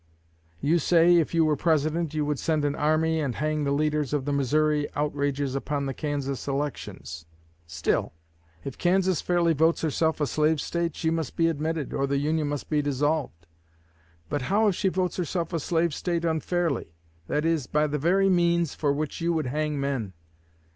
You say, if you were President you would send an army and hang the leaders of the Missouri outrages upon the Kansas elections; still, if Kansas fairly votes herself a slave State, she must be admitted, or the Union must be dissolved. But how if she votes herself a slave State unfairly that is, by the very means for which you would hang men?